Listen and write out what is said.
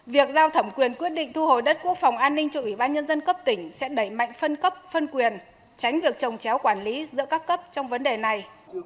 việc giao thẩm quyền quyết định thu hồi đất quốc phòng an ninh cho ủy ban nhân dân cấp tỉnh sẽ đẩy mạnh phân cấp phân quyền tránh việc trồng chéo quản lý giữa các cấp trong vấn đề này